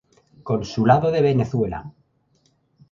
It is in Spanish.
Consulado de Venezuela.